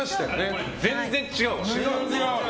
全然違うわ。